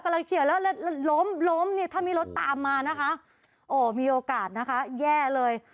กำลังเฉียวแล้วล้มถ้ามีรถตามมานะคะโอ้มีโอกาสนะคะแย่เลย